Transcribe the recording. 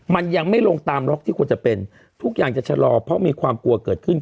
มันยังไม่ลงตามล็อกที่ควรจะเป็นทุกอย่างจะชะลอเพราะมีความกลัวเกิดขึ้น